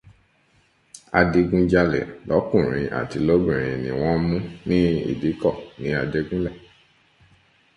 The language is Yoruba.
Adigunjalẹ̀ lọ́kùnrin àti lóbìnrin ni wọ́n mu ní ìdíkọ̀ ní Ajẹ́gúnlẹ̀.